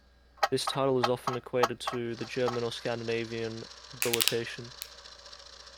This title is often equated to the German or Scandinavian habilitation.